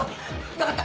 わかった。